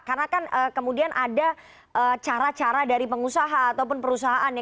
karena kan kemudian ada cara cara dari pengusaha ataupun perusahaan ya